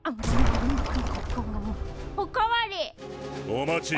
お待ち！